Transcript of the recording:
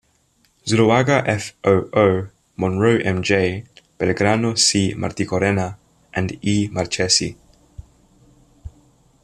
Zuloaga, F. O., O. Morrone, M. J. Belgrano, C. Marticorena and E. Marchesi.